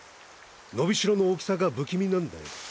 のびしろの大きさが不気味なんだよ。